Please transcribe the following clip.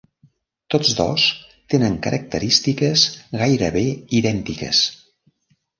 Tots dos tenen característiques gairebé idèntiques.